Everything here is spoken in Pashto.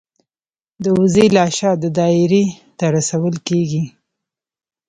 د وزې لاشه د دایرې ته رسول کیږي.